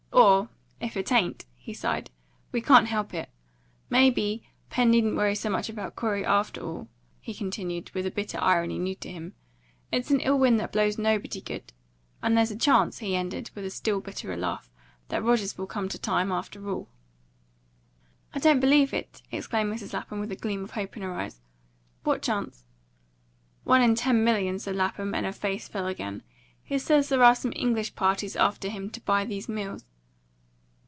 Or, if it ain't," he sighed, "we can't help it. May be Pen needn't worry so much about Corey, after all," he continued, with a bitter irony new to him. "It's an ill wind that blows nobody good. And there's a chance," he ended, with a still bitterer laugh, "that Rogers will come to time, after all." "I don't believe it!" exclaimed Mrs. Lapham, with a gleam of hope in her eyes. "What chance?" "One in ten million," said Lapham; and her face fell again. "He says there are some English parties after him to buy these mills."